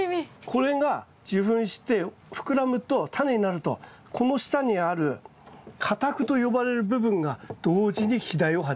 これが受粉して膨らむとタネになるとこの下にある花托と呼ばれる部分が同時に肥大を始めるという。